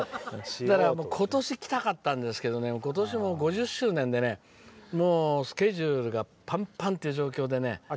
今年来たかったんですけど今年も５０周年でねスケジュールがパンパンっていう状況でね